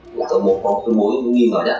là một mối nghi ngờ nhé